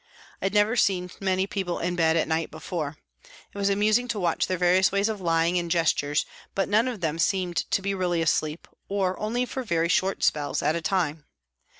I had never seen many people in bed at night before. It was amusing to watch their various ways of lying and gestures, but none of them seemed to be really HOLLOWAY PRISON 91 asleep, or only for very short spells at a time.